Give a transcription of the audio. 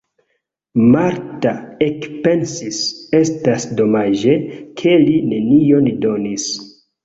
Marta ekpensis: estas domaĝe, ke li nenion donis!